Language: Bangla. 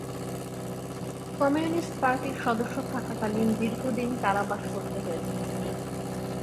কমিউনিস্ট পার্টির সদস্য থাকাকালীন দীর্ঘ দিন কারাবাস করতে হয়েছে তাকে।